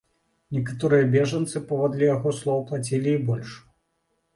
Некаторыя бежанцы, паводле яго слоў, плацілі і больш.